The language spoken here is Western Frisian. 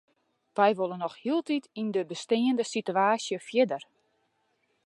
Wy wolle noch hieltyd yn de besteande sitewaasje fierder.